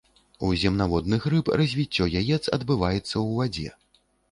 У земнаводных, рыб развіццё яец адбываецца ў вадзе.